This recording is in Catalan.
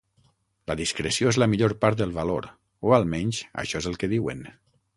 La discreció és la millor part del valor, o almenys això és el que diuen.